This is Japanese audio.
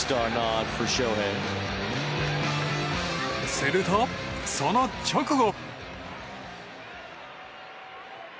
すると、その直後。